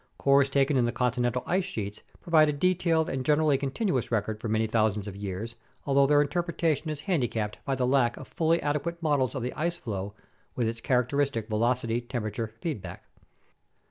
Cores taken in the continental ice sheets provide a detailed and generally continuous record for many thousands of years, although their interpretation is handicapped by the lack of fully adequate models of the ice flow with its characteristic velocity temperature feedback.